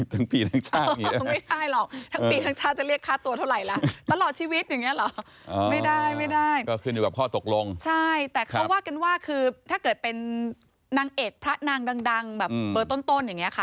ทั้งปีทั้งชาติ